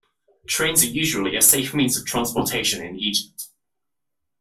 Trains are usually a safe means of transportation in Egypt.